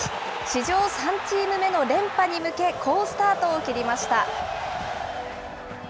史上３チーム目の連覇に向け、好スタートを切りました。